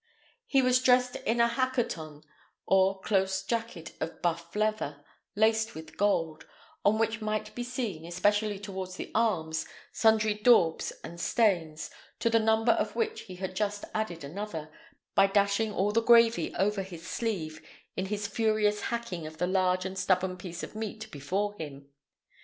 He was dressed in a hacqueton, or close jacket of buff leather, laced with gold, on which might be seen, especially towards the arms, sundry daubs and stains, to the number of which he had just added another, by dashing all the gravy over his sleeve, in his furious hacking of the large and stubborn piece of meat before him.